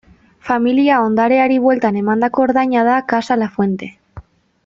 Familia ondareari bueltan emandako ordaina da Casa Lafuente.